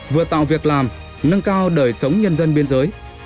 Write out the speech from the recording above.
vừa tạo việc làm nâng cao đời sống nhân dân biên giới